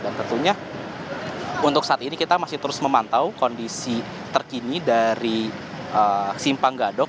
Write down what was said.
dan tentunya untuk saat ini kita masih terus memantau kondisi terkini dari simpang gadok